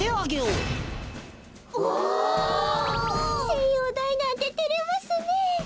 せんようだいなんててれますねえ。